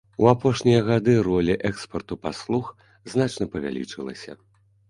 У апошнія гады роля экспарту паслуг значна павялічылася.